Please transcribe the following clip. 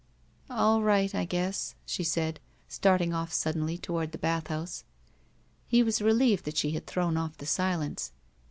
"All right, I guess," she said, starting off sud denly toward the bathhouse. He was relieved that she had thrown off the silence.